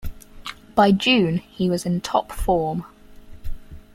By June, he was in top form.